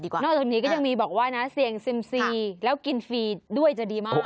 นอกจากนี้มีเรื่องบอกว่าเสียงเซ็มซีแล้วกินฟรีด้วยเลยจะดีมาก